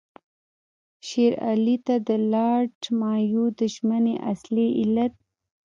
شېر علي ته د لارډ مایو د ژمنې اصلي علت.